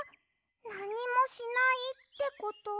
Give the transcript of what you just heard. なにもしないってこと？